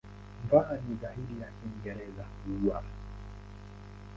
V ni zaidi ya Kiingereza "w".